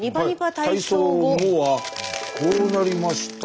体操後はこうなりました。